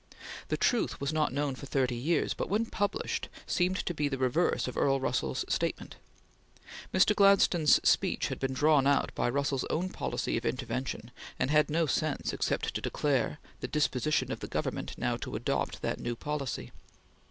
The "truth" was not known for thirty years, but when published, seemed to be the reverse of Earl Russell's statement. Mr. Gladstone's speech had been drawn out by Russell's own policy of intervention and had no sense except to declare the "disposition in the Government now to adopt" that new policy.